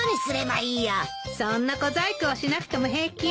そんな小細工をしなくても平気よ。